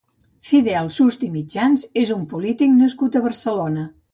Fidel Sust i Mitjans és un polític nascut a Barcelona.